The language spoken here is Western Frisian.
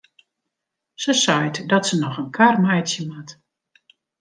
Se seit dat se noch in kar meitsje moat.